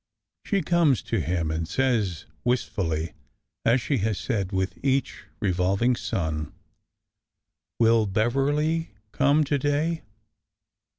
She comes to him and says wistfully, as she has said with each revolving sun : "Will Beverly come to day?"